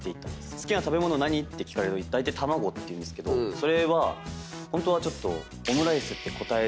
好きな食べ物何って聞かれたときだいたい卵って言うんですけどそれはホントはちょっと。